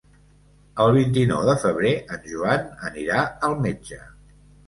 El vint-i-nou de febrer en Joan anirà al metge.